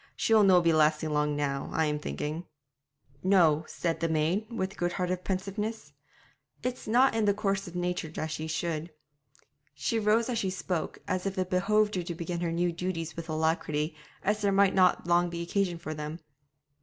She'll no' be lasting long now, I'm thinking.' 'No,' said the maid, with good hearted pensiveness; 'it's not in the course of nature that she should.' She rose as she spoke, as if it behoved her to begin her new duties with alacrity, as there might not long be occasion for them.